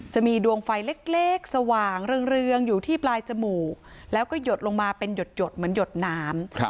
จะมีดวงไฟเล็กสว่างเรืองอยู่ที่ปลายจมูกแล้วก็หยดลงมาเป็นหยดเหมือนหยดน้ำ